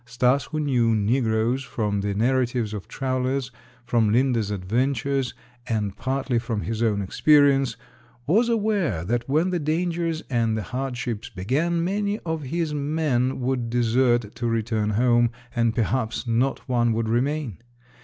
Stas, who knew negroes from the narratives of travelers, from Linde's adventures, and partly from his own experience, was aware that when the dangers and the hardships began, many of his men would desert to return home, and perhaps not one would remain.